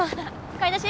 買い出し？